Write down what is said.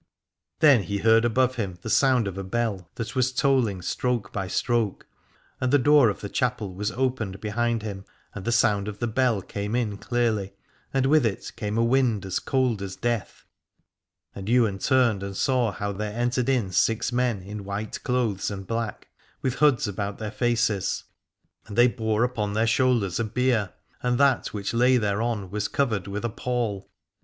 Then he heard above him the sound of a bell that was tolling stroke by stroke, and the door of the chapel was opened behind him and the sound of the bell came in clearly, and with it came a wind as cold as death. And Ywain turned and saw how there entered in six men in white clothes and black, with hoods about their faces : and they bore upon z 353 Aladore their shoulders a bier, and that which lay thereon was covered with a pall.